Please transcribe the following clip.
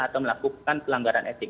atau melakukan pelanggaran etik